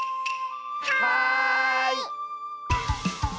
はい！